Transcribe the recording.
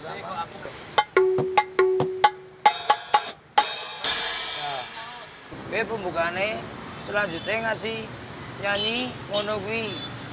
jadi pembukaannya selanjutnya ngasih nyanyi ngonok wih